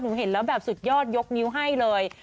เห็นแล้วแบบสุดยอดยกนิ้วให้เลย